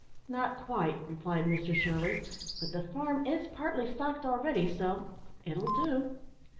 "Not quite," replied Mr Shirley, "but the farm is partly stocked already, so it'll do.